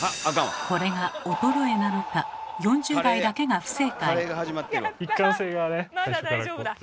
これが衰えなのか４０代だけが不正解。